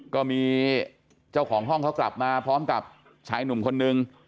ก็มีเจ้าของห้องเขากลับมาพร้อมกับชายหนุ่มคนนึง